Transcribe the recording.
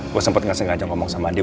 gue sempet gak sengaja ngomong sama dia